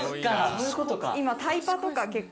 そういうことか。